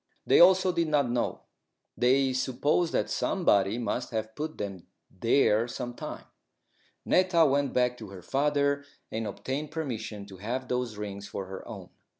They also did not know. They supposed that somebody must have put them there some time. Netta went back to her father and obtained permission to have those rings for her own.